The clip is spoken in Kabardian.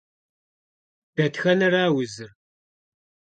Дэтхэнэра узыр?